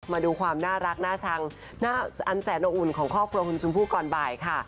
มาดูความน่ารักน่าชังอันแสนอบอุ่นของครอบครัวคุณชมพู่ก่อนบ่ายค่ะ